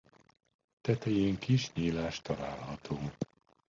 Tetején kis nyílás található.